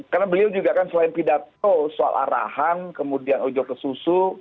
karena beliau juga kan selain pidato soal arahan kemudian ujung ke susu